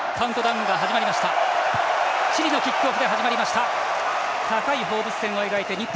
チリのキックオフで始まりました。